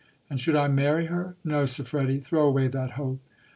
And should I marry her ! No, Siffredi, throw away that hope.